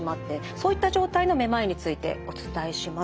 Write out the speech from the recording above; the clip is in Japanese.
そういった状態のめまいについてお伝えします。